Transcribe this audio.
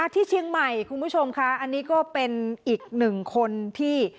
ที่เชียงใหม่คุณผู้ชมค่ะอันนี้ก็เป็นอีกหนึ่งคนที่